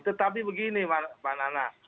tetapi begini pak nana